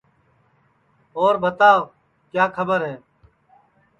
اور بھتاو کیا کھٻر ہے